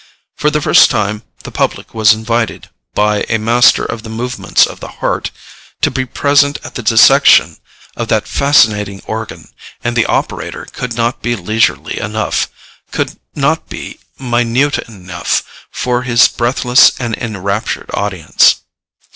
For the first time the public was invited, by a master of the movements of the heart, to be present at the dissection of that fascinating organ, and the operator could not be leisurely enough, could not be minute enough, for his breathless and enraptured audience.